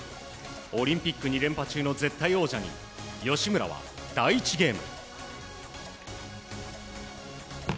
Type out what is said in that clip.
オリンピック２連覇中の絶対王者に吉村は第１ゲーム。